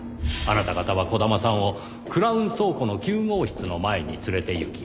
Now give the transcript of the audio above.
あなた方は児玉さんをクラウン倉庫の９号室の前に連れていき。